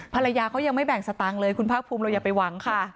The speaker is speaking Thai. ภรรยาเขายังไม่แบ่งสตางค์เลยคุณภาคภูมิเราอย่าไปหวังค่ะ